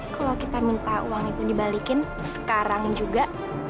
kalau kita minta uang itu dibalikin sekarang juga